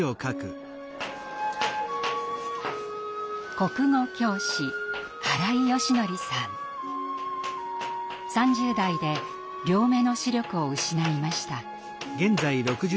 国語教師３０代で両目の視力を失いました。